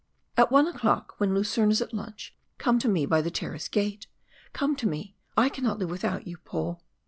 At one o'clock, when Lucerne is at lunch, come to me by the terrace gate. Come to me, I cannot live without you, Paul."